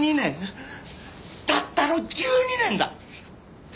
たったの１２年だ！